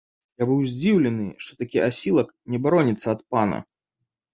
Я быў здзіўлены, што такі асілак не бароніцца ад пана.